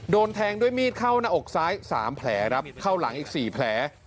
โดนแทงด้วยมีดเข้าหน้าอกซ้าย๓แผลครับเข้าหลังอีก๔แผล